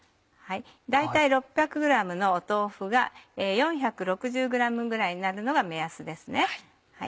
大体６００ｇの豆腐が４６０ｇぐらいになるのが目安ですね。